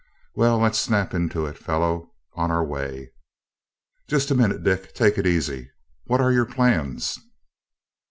Well, let's snap into it, fellow on our way!" "Just a minute, Dick. Take it easy, what are your plans?"